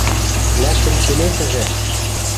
Лӓктӹн келесӹжӹ!..